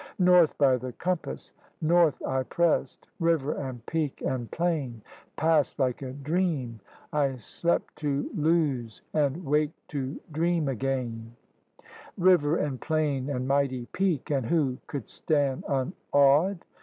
North by the compass, North I pressed; river and peak and plain Passed like a dream I slept to lose and waked to dream again. 20 THE RED MAN'S CONTINENT River and plain and mighty peak — and who could stand unawed?